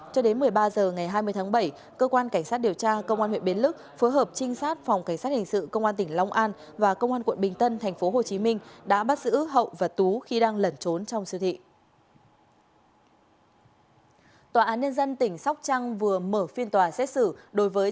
cho đến một mươi ba h ngày hai mươi tháng bảy cơ quan cảnh sát điều tra công an huyện bến lức phối hợp trinh sát phòng cảnh sát hình sự công an tỉnh long an và công an quận bình tân tp hcm đã bắt giữ hậu và tú khi đang lẩn trốn trong siêu thị